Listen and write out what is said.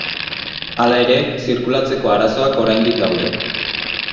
Hala ere, zirkulatzeko arazoak oraindik daude.